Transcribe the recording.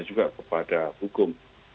juga kepada hukum